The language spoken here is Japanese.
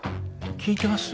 聞いてます？